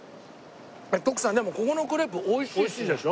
徳さんでもここのクレープ美味しいですね。